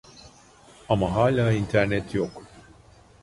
Ama hala internet yok